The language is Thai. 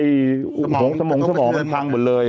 สมงค์สมองก็พังหมดเลย